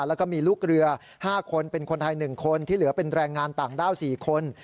แล้วก็มีลูกเรือ๕คนเป็นคนไทย๑คนที่เหลือเป็นแรงงานต่างด้าว๔คน